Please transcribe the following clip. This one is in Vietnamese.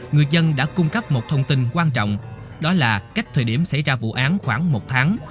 người dân đã cung cấp một thông tin quan trọng đó là cách thời điểm xảy ra vụ án khoảng một tháng